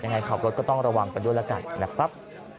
ยังไงขับรถก็ต้องระวังกันด้วยแล้วกันนะครับ